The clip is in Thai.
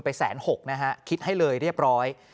แสนหกนะฮะคิดให้เลยเรียบร้อย